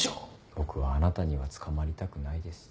僕はあなたには捕まりたくないです。